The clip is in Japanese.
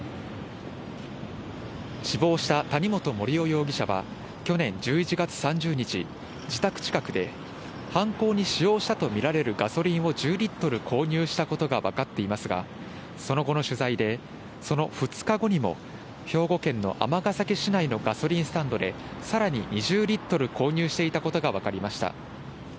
死亡した谷本盛雄容疑者は去年１１月３０日、自宅近くで犯行に使用したと見られるガソリンを１０リットル購入したことが分かっていますが、その後の取材で、その２日後にも、兵庫県の尼崎市内のガソリンスタンドで、さらに２０リットル購入していたことが分かりました。